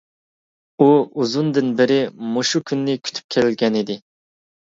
ئۇ ئۇزۇندىن بېرى مۇشۇ كۈننى كۈتۈپ كەلگەنىدى.